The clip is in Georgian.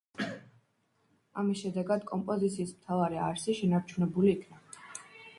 ამის შედეგად კომპოზიციის მთავარი არსი შენარჩუნებული იქნა.